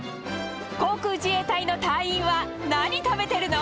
航空自衛隊の隊員は何食べてるの？